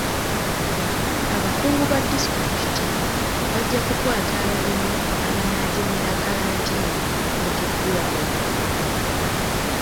Abakungu ba disitulikiti bajja kukwata abalimi abanaajemera kkalantiini eteekeddwawo.